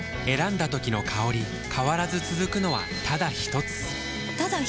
選んだ時の香り変わらず続くのはただひとつ？